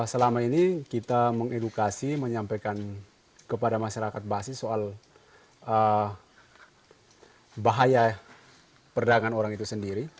selama ini kita mengedukasi menyampaikan kepada masyarakat basis soal bahaya perdagangan orang itu sendiri